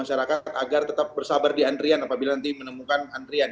masyarakat agar tetap bersabar di antrian apabila nanti menemukan antrian